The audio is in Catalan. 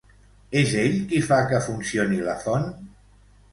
És ell qui fa que funcioni la font?